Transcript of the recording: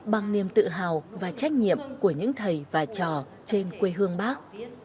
bằng niềm tự hào và trách nhiệm của những thầy và trò trên quê hương bác